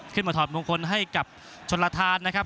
ขึ้นมาถอดมงคลให้กับชนรธานนะครับ